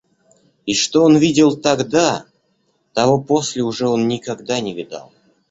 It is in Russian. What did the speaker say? И что он видел тогда, того после уже он никогда не видал.